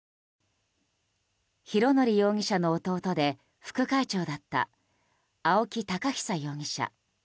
拡憲容疑者の弟で副会長だった青木寶久容疑者。